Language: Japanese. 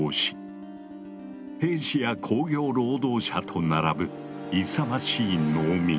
兵士や工業労働者と並ぶ勇ましい農民。